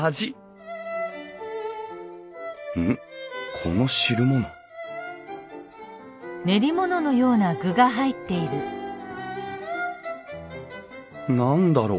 この汁物何だろう？